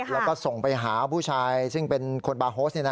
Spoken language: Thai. แล้วก็ส่งไปหาผู้ชายซึ่งเป็นคนบาโฮส